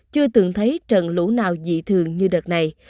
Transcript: chưa từng thấy trận lũ nào dị thường như đợt này